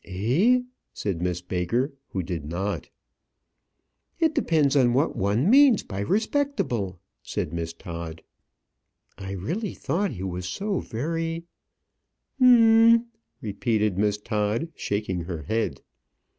"Eh?" said Miss Baker, who did not. "It depends on what one means by respectable," said Miss Todd. "I really thought he was so very " "Hum m m m," repeated Miss Todd, shaking her head.